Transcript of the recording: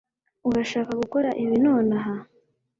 Urashaka gukora ibi nonaha